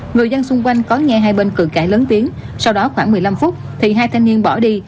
người dân xung quanh có nghe hai bên cường cãi lớn tiếng sau đó khoảng một mươi năm phút thì hai thanh niên bỏ đi